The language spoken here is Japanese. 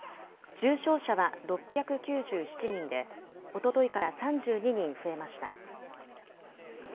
重症者は６９７人で、おとといから３２人増えました。